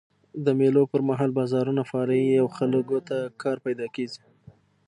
د مېلو پر مهال بازارونه فعاله يي او خلکو ته کار پیدا کېږي.